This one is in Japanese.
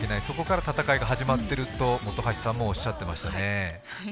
そこから戦いが始まっていると本橋さんもおっしゃっていましたね。